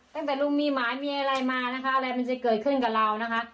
ตั้งแต่ลุงมีหมามีอะไรมานะคะอะไรมันจะเกิดขึ้นกับเรานะคะ